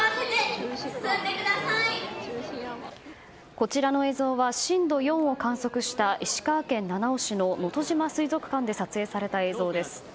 こちらの映像は震度４を観測した石川県七尾市ののとじま水族館で撮影された映像です。